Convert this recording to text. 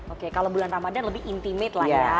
oke kalau bulan ramadhan lebih intimate lah ya